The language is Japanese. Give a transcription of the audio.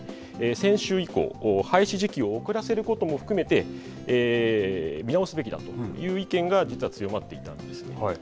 先週以降、廃止時期を遅らせることも含めて見直すべきだという意見が実は強まっていたんです。